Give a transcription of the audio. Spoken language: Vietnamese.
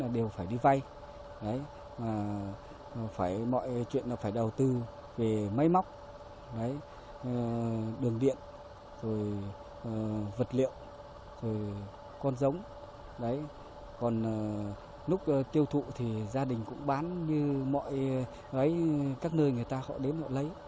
đấy còn lúc tiêu thụ thì gia đình cũng bán như mọi người ấy các nơi người ta họ đến họ lấy